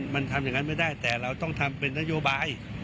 มันทำอย่างนั้นไม่ได้แต่เราต้องทำเป็นนโยบาย